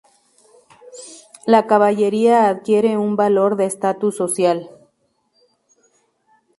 La caballería adquiere un valor de estatus social.